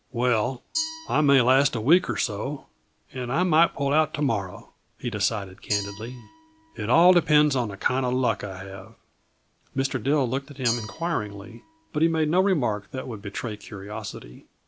"Well. I may last a week or so, and I might pull out to morrow," he decided candidly. "It all depends on the kinda luck I have." Mr. Dill looked at him inquiringly, but he made no remark that would betray curiosity.